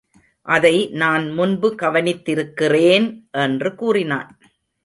அதைநான் முன்பு கவனித்திருக்கிறேன்! என்று கூறினான்.